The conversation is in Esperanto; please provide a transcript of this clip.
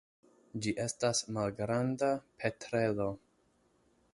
Ĝi estas malgranda petrelo.